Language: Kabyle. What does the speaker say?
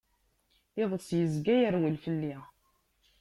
Iḍeṣ izga yerwel fell-i.